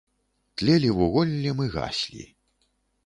Тлелі вуголлем і гаслі.